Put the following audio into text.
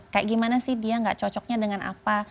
kayak gimana sih dia gak cocoknya dengan apa